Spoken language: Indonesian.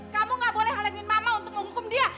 kamu gak boleh halangin mama untuk menghukum dia